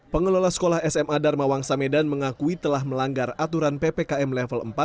pengelola sekolah sma dharma wangsa medan mengakui telah melanggar aturan ppkm level empat